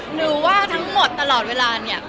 หรือว่าทั้งหมดตลอดเวลาเนี่ย